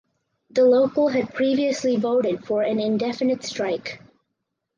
The local had previously voted for an indefinite strike.